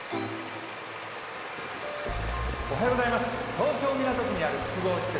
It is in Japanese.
東京・港区にある複合施設